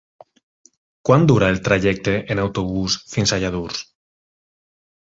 Quant dura el trajecte en autobús fins a Lladurs?